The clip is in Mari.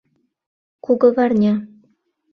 Кугыварня